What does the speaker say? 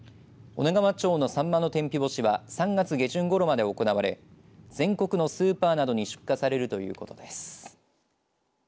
女川町のさんまの天日干しは３月下旬ごろまで行われ全国のスーパーなどに出荷されるということです。